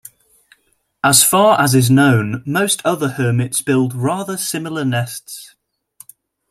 As far as is known, most other hermits build rather similar nests.